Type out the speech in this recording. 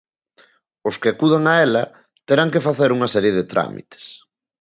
Os que acudan a ela terán que facer unha serie de trámites.